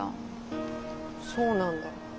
そうなんだ。